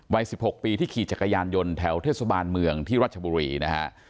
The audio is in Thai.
วัย๑๖ปีที่ขี่จักรยานยนต์แถวเทศบาลเมืองที่รัชบุรีนะฮะ